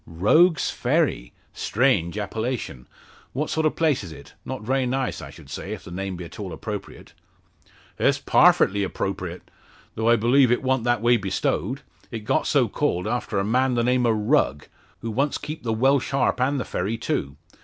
"Rogue's Ferry? Strange appellation! What sort of place is it? Not very nice, I should say if the name be at all appropriate." "It's parfitly 'propriate, though I b'lieve it wa'nt that way bestowed. It got so called after a man the name o' Rugg, who once keeped the Welsh Harp and the ferry too.